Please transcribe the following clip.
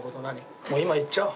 もう今言っちゃおう。